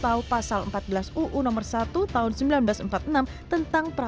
tapi sudah disangka